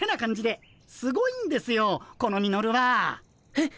えっ！